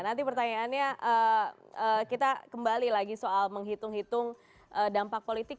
nanti pertanyaannya kita kembali lagi soal menghitung hitung dampak politik